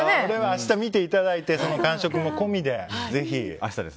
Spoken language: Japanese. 明日見ていただいて感触も込みでぜひ。